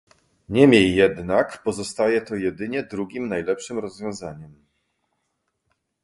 Niemniej jednak pozostaje to jedynie drugim najlepszym rozwiązaniem